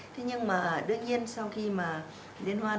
thế nhưng mà đương nhiên sau khi mà liên hoan